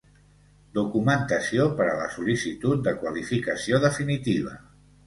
Documentació per a la sol·licitud de qualificació definitiva.